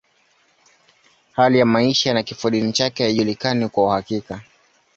Hali ya maisha na kifodini chake haijulikani kwa uhakika.